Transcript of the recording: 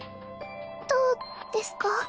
どうですか？